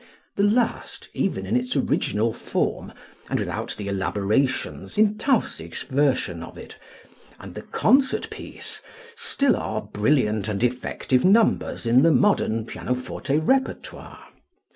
The last, even in its original form and without the elaborations in Tausig's version of it, and the "Concert Piece" still are brilliant and effective numbers in the modern pianoforte repertoire.